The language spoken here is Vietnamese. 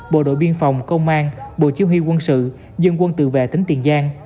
bộ đội biên phòng công an bộ chiếu huy quân sự dân quân tự vệ tính tiền gian